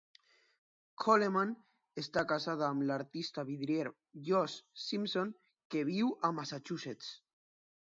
Coleman està casada amb l'artista vidrier Josh Simpson, que viu a Massachusetts.